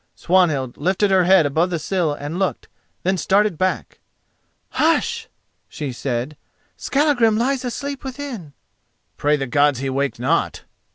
Swanhild lifted her head above the sill and looked, then started back. "Hush!" she said, "Skallagrim lies asleep within." "Pray the Gods he wake not!"